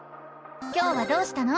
今日はどうしたの？